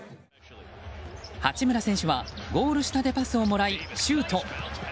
八村選手はゴール下でパスをもらい、シュート。